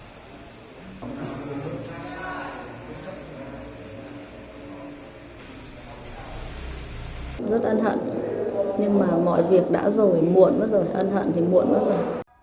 rất ăn hận nhưng mà mọi việc đã rồi muộn mất rồi ăn hận thì muộn mất rồi